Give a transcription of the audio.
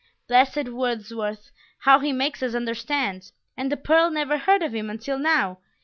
Blessed Wordsworth! How he makes us understand! And the pearl never heard of him until now!